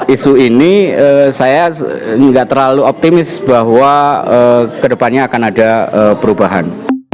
isu ini saya nggak terlalu optimis bahwa kedepannya akan ada perubahan